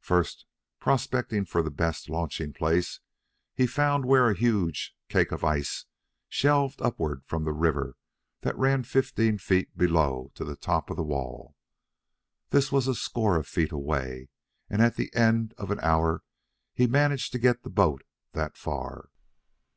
First prospecting for the best launching place, he found where a huge cake of ice shelved upward from the river that ran fifteen feet below to the top of the wall. This was a score of feet away, and at the end of an hour he had managed to get the boat that far.